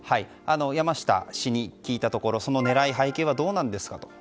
山下氏に聞いたところその狙い、背景はどうなんですかと。